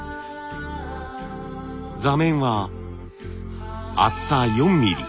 座面は厚さ４ミリ。